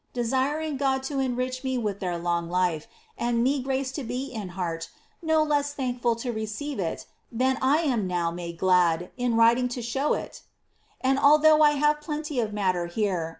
Je»iring Grxl to enrich me with their long life, and me grace to be in heart !'j :e^^ thankful to receive it than I am now made gln<l in writing to show it? tr. 1 nithough I have plenty of matter here.